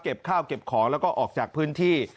ข้าวเก็บของแล้วก็ออกจากพื้นที่